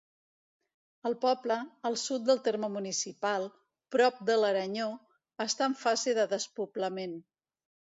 El poble, al sud del terme municipal, prop de l'Aranyó, està en fase de despoblament.